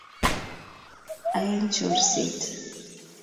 Aeng', chorset.